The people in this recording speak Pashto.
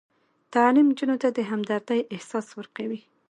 تعلیم نجونو ته د همدردۍ احساس ورکوي.